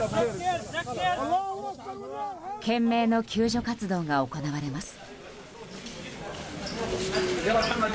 懸命の救助活動が行われます。